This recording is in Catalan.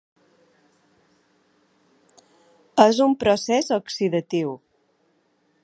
És un procés oxidatiu.